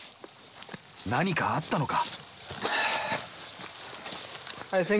何かあったのか。